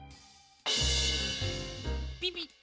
ピピッ。